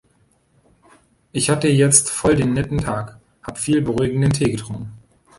Ich hatte jetzt voll den netten Tag, hab viel beruhigenden Tee getrunken.